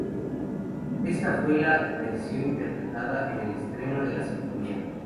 Esta fue la versión interpretada en el estreno de la sinfonía.